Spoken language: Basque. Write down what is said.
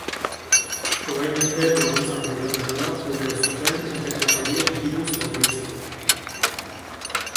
Orain arte laguntza pribatuetara jo behar zuten ikerketa horiek diruz hornitzeko.